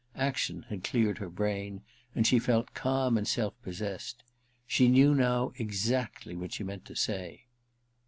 Action had cleared her brain, and she felt calm and self possessed. She knew now exactly what she meant to say.